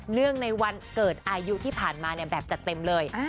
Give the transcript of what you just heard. เนื่องในวันเกิดอายุที่ผ่านมาแบบจัดเต็มเลย